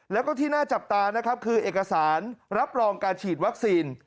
แล้วก็ที่น่าจับตานะครับคือเอกสารรับรองการฉีดวัคซีน